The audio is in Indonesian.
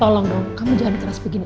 tolong dong kamu jangan keras begini